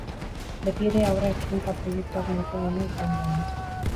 Betiere, haurra hezkuntza proiektuaren erdigunea izan dadin.